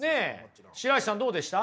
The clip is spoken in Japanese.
白石さんどうでした？